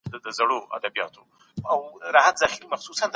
که ارقام کره وي پايله سمه راځي.